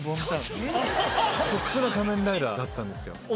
特殊な仮面ライダーだったんですよ。